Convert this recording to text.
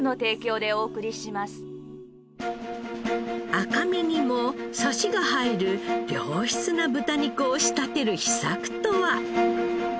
赤身にもサシが入る良質な豚肉を仕立てる秘策とは。